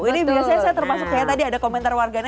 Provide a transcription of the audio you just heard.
ini biasanya saya termasuk kayak tadi ada komentar warganya